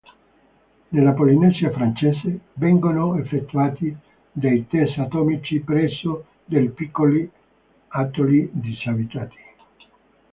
Nella Polinesia Francese vengono effettuati dei test atomici presso dei piccoli atolli disabitati.